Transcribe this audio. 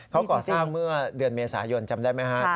เขาก่อสร้างเมื่อเดือนเมษายนจำได้ไหมฮะ